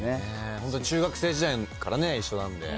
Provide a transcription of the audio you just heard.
本当、中学生時代から一緒なんで。